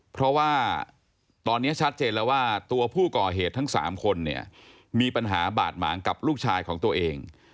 เพราะว่าตอนนี้ชัดเจนแล้วว่าตัวผู้ก่อเหตุทั้ง๓คนเนี่ยมีปัญหาบาดหมางกับลูกชายของตัวเอง